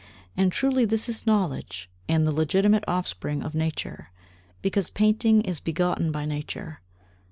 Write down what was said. And truly this is knowledge and the legitimate offspring of nature, because painting is begotten by nature.